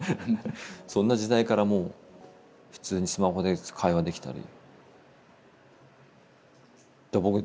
そんな時代からもう普通にスマホで会話できたり。